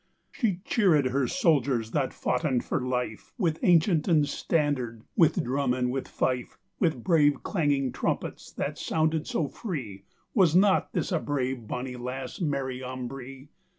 She cheared her souldiers, that foughten for life, With ancyent and standard, with drum and with fife, With brave clanging trumpetts, that sounded so free; Was not this a brave bonny lasse, Mary Ambree?